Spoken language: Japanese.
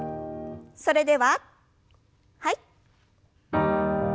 それでははい。